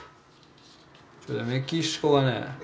「メキシコがね